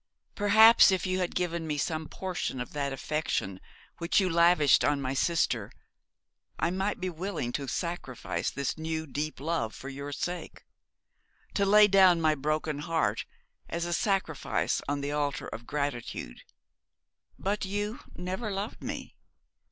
'Perhaps if you had given me some portion of that affection which you lavished on my sister I might be willing to sacrifice this new deep love for your sake to lay down my broken heart as a sacrifice on the altar of gratitude. But you never loved me.